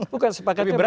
bukan sepakatnya berarti